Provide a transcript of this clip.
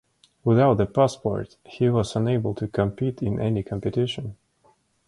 Without a passport, he was unable to compete in any competition.